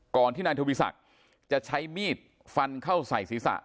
ที่นายทวีศักดิ์จะใช้มีดฟันเข้าใส่ศีรษะ